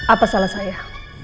apa salah saya